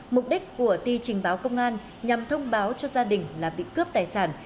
mục đích của ti trình báo công an nhằm thông báo cho gia đình là bị cướp tài sản